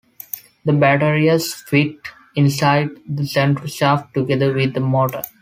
The batteries fit inside the central shaft together with the motor.